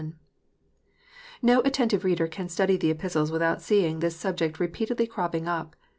No attentive reader can study the Epistles without seeing this subject repeatedly cropping up.